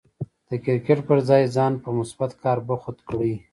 د کرکټ پر ځای ځان په مثبت کار بوخت کړئ.